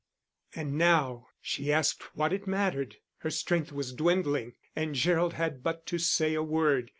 And now she asked what it mattered. Her strength was dwindling, and Gerald had but to say a word.